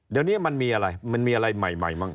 เดี๋ยวนี้มันมีอะไรมันมีอะไรใหม่ใหม่มั้